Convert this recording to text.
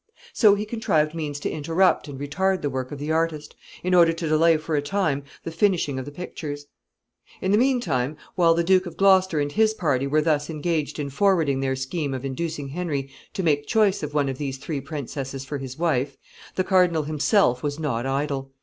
So he contrived means to interrupt and retard the work of the artist, in order to delay for a time the finishing of the pictures. [Sidenote: In what way.] [Sidenote: The cardinal's scheme.] In the mean time, while the Duke of Gloucester and his party were thus engaged in forwarding their scheme of inducing Henry to make choice of one of these three princesses for his wife, the cardinal himself was not idle.